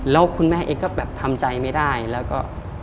แล้วคุณแม่เองก็แบบทำใจไม่ได้แล้วก็